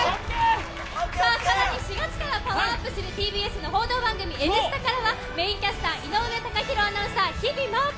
更に４月からパワーアップする「Ｎスタ」からメインキャスター、井上貴博アナウンサー日比麻音子